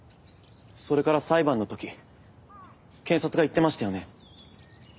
それから裁判の時検察が言ってましたよね？